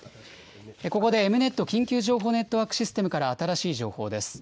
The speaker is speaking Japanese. ここでエムネット・緊急情報ネットワークシステムから新しい情報です。